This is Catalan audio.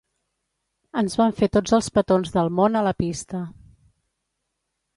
Ens vam fer tots els petons del món a la pista.